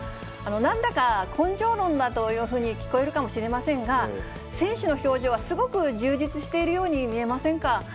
なんだか根性論だというように聞こえるかもしれませんが、選手の表情はすごく充実しているように見えませんか。